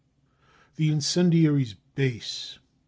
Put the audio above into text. » The Incendiaries' Base.